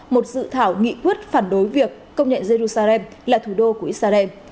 một dự thảo nghị quyết phản đối việc công nhận jerusalem là thủ đô của israel